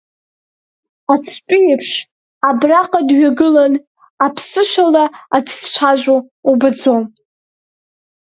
Ацәтәыҩеиԥш абраҟа дҩагылан, аԥсышәала аӡәдцәажәо убаӡом.